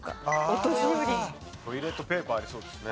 トイレットペーパーありそうですね。